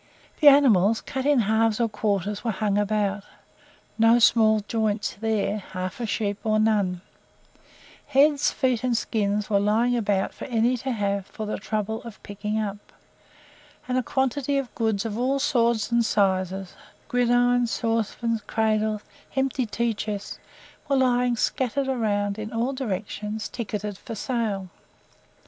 The animals, cut into halves or quarters, were hung round; no small joints there half a sheep or none; heads, feet, and skins were lying about for any one to have for the trouble of picking up, and a quantity of goods of all sorts and sizes, gridirons, saucepans, cradles, empty tea chests, were lying scattered around in all directions ticketed "for sale."